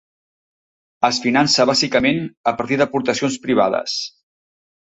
Es finança, bàsicament, a partir d'aportacions privades.